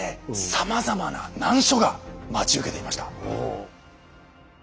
さまざまな難所が待ち受けていました。